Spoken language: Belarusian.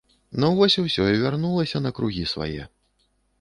Ну вось ўсё і вярнулася на кругі свае.